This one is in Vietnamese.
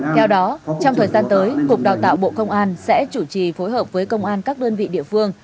theo đó trong thời gian tới cục đào tạo bộ công an sẽ chủ trì phối hợp với công an các đơn vị địa phương